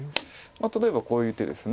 例えばこういう手です。